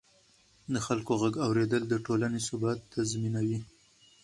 د خلکو غږ اورېدل د ټولنې ثبات تضمینوي